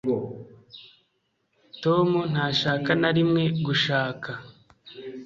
tom ntashaka na rimwe gushaka